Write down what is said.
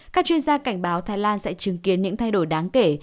các chuyên gia cảnh báo thái lan sẽ chứng kiến những thay đổi đáng kể